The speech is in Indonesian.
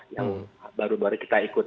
yang baru baru kita ikut